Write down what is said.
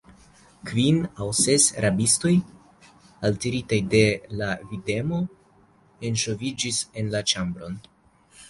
Kvin aŭ ses rabistoj, altiritaj de la videmo, enŝoviĝis en la ĉambron.